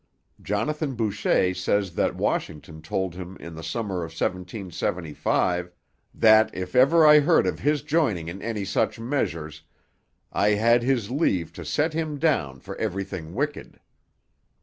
Jonathan Boucher says that Washington told him in the summer of 1775 'that if ever I heard of his joining in any such measures, I had his leave to set him down for everything wicked.'